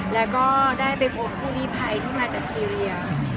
แล้วก็ได้ไปโปรดภูมิไพรที่มาจากซีเรีย